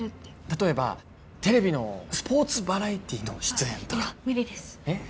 例えばテレビのスポーツバラエティーの出演とかああいや無理ですえっ？